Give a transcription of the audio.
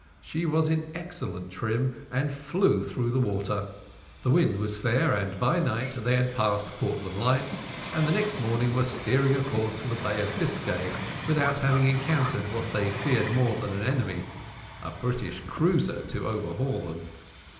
She was in excellent trim, and flew through the water; the wind was fair, and by night they had passed Portland Lights, and the next morning were steering a course for the Bay of Biscay without having encountered what they feared more than an enemy a British cruiser to overhaul them.